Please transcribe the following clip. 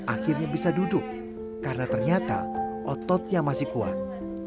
akhirnya bisa duduk karena ternyata ototnya masih kuat